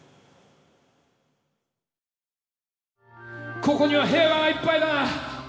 ここには平和がいっぱいだ。